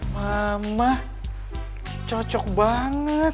mama cocok banget